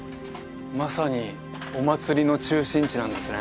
まさにお祭りの中心地なんですね